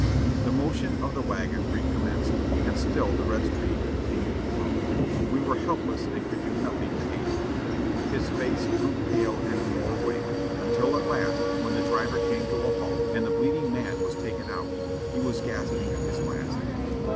The motion of the wagon recommenced, and still the red stream continued to flow ; we were helpless and could do nothing to aid him. His face grew pale and more wan, until at last, when the driver came to a halt and the bleeding man was taken out, he was gasping his last.